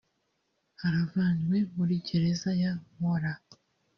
yaravanywe muri gereza ya Maula